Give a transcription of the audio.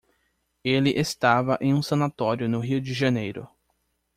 Ele estava em um sanatório no Rio de Janeiro.